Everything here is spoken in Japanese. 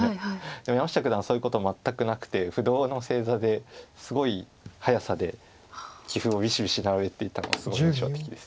でも山下九段はそういうこと全くなくて不動の正座ですごい速さで棋譜をびしびし並べていたのがすごい印象的です。